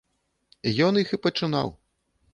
Ён іх і пачынаў.